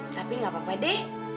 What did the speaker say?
tapi gak apa apa deh